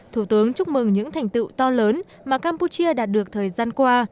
thủ tướng chúc mừng những thành tựu to lớn mà campuchia đạt được thời gian qua